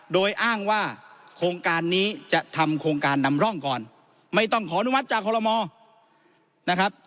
โดยอ้างว่าโครงการนี้จะทำโครงการนำร่องก่อนไม่ต้องขออนุมัติจากคอลโลมนะครับ